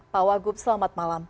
pak wagub selamat malam